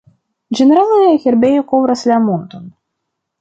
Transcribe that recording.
Ĝenerale herbejo kovras la monton.